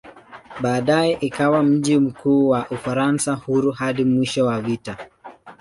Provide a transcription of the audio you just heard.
Baadaye ikawa mji mkuu wa "Ufaransa Huru" hadi mwisho wa vita.